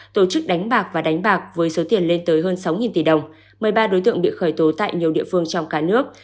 tổ chức đánh bạc và đánh bạc với số tiền lên tới hơn sáu tỷ đồng một mươi ba đối tượng bị khởi tố tại nhiều địa phương trong cả nước